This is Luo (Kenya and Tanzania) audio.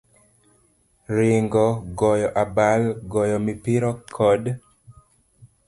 Ringo, goyo abal, goyo opira, kod